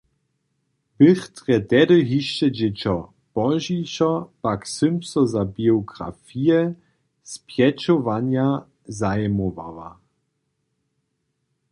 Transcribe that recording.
Běch drje tehdy hišće dźěćo, pozdźišo pak sym so za biografije spjećowanja zajimowała.